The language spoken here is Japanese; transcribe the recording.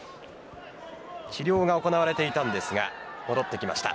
治療が行われていましたが戻ってきました。